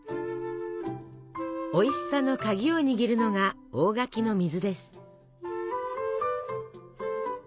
おいしさの鍵を握るのが大垣の水です。